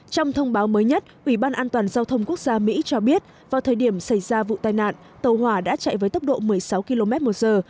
trong thông báo mới nhất ủy ban an toàn giao thông quốc gia mỹ cho biết vào thời điểm xảy ra vụ tai nạn tàu hỏa đã chạy với tốc độ một mươi sáu km một giờ